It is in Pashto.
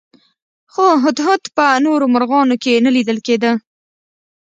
خو هدهد په نورو مرغانو کې نه لیدل کېده.